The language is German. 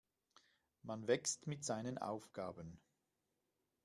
Man wächst mit seinen Aufgaben.